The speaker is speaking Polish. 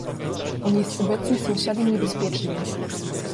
"On jest obecnie sąsiadem niebezpiecznym."